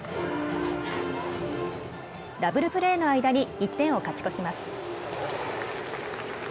ダブルプレーの間に１点を勝ち越します。